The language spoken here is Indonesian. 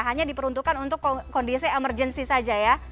hanya diperuntukkan untuk kondisi emergency saja ya